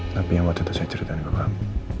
tapi yang waktu itu saya ceritain ke bapak